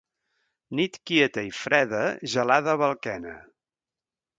Nit quieta i freda, gelada a balquena.